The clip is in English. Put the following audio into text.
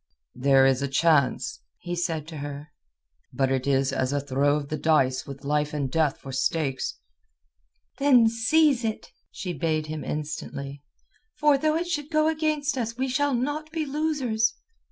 "There is a chance," he said to her. "But it is as a throw of the dice with life and death for stakes." "Then seize it," she bade him instantly. "For though it should go against us we shall not be losers."